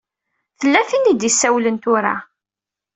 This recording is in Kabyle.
Tella tin i d-isawlen tura.